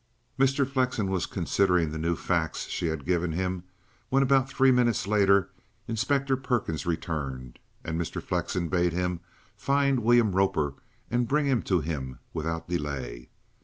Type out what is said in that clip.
Mr. Flexen was considering the new facts she had given him, when about three minutes later Inspector Perkins returned; and Mr. Flexen bade him find William Roper and bring him to him without delay.